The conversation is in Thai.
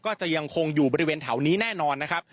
ก็จะยังคงอยู่บริเวณแถวนี้แน่นอนนะครับ